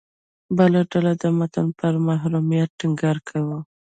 بله ډله د متن پر محوریت ټینګار کاوه.